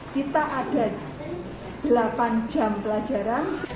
kita ada delapan jam pelajaran